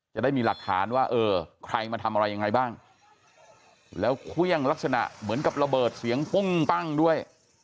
จะได้มีหลักฐานว่าเออใครมาทำอะไรยังไงบ้างแล้วเครื่องลักษณะเหมือนกับระเบิดเสียงปุ้งปั้งด้วย